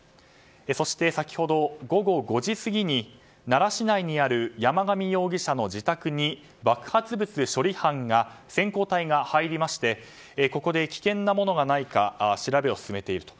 そして、先ほど午後５時過ぎに奈良市内にある山上容疑者の自宅に爆発物処理班の先行隊が入りましてここで危険なものがないか調べを進めていると。